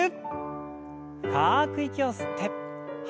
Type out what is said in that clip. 深く息を吸って吐いて。